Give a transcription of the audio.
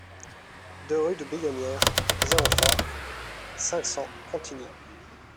deux rue de Billonnière, zéro trois, cinq cents Contigny